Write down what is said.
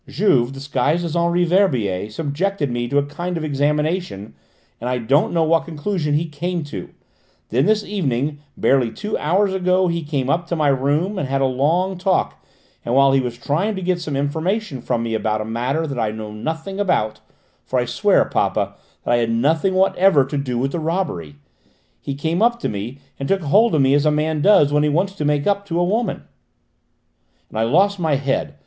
"Juve, disguised as Henri Verbier, subjected me to a kind of examination, and I don't know what conclusion he came to. Then, this evening, barely two hours ago, he came up to my room and had a long talk, and while he was trying to get some information from me about a matter that I know nothing about for I swear, papa, that I had nothing whatever to do with the robbery he came up to me and took hold of me as a man does when he wants to make up to a woman. And I lost my head!